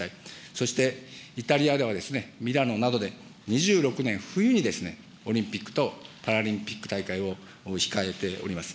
そしてイタリアではミラノなどで、２６年冬にオリンピックとパラリンピック大会を控えております。